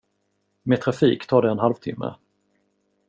Med trafik tar det en halvtimme.